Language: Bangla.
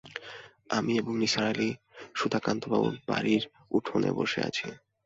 আমি এবং নিসার আলি সুধাকান্তবাবুর বাড়ির উঠোনে বসে আছি।